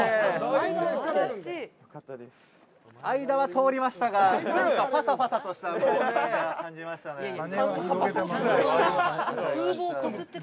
間は通りましたがパサパサとした羽毛を感じましたね。